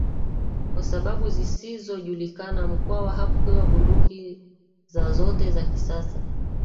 Kwa sababu zisizojulikana Mkwawa hakugawa bunduki za zote za kisasa